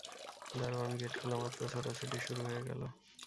দারোয়ান গেট খোলামাত্র ছোটাছুটি শুরু হয়ে গেল।